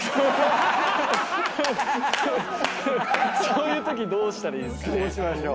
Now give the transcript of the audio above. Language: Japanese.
そういうときどうしたらいいですかね？